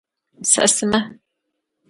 Saɣisima.